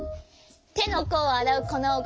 てのこうをあらうこのうごき。